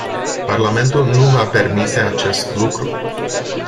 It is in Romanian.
Parlamentul nu va permite acest lucru.